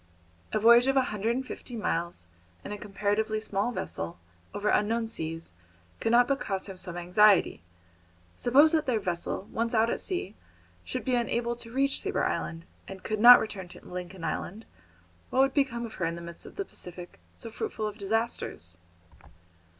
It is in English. A voyage of a hundred and fifty miles in a comparatively small vessel, over unknown seas, could not but cause him some anxiety. Suppose that their vessel, once out at sea, should be unable to reach Tabor Island, and could not return to Lincoln Island, what would become of her in the midst of the Pacific, so fruitful of disasters?